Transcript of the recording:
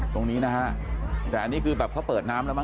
ตรงนี้นะฮะแต่อันนี้คือแบบเขาเปิดน้ำแล้วมั